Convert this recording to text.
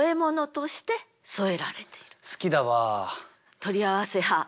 取り合わせ派。